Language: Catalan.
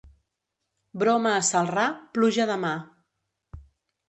Broma a Celrà, pluja demà.